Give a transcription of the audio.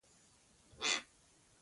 د مسکا ږغ خاموش خو ښکلی وي.